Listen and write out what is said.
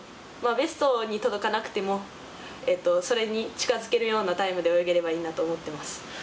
ベストに届かなくてもそれに近づけるようなタイムで泳げればいいなと思ってます。